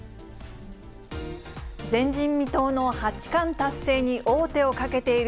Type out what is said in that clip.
前人未到の八冠達成に王手をかけている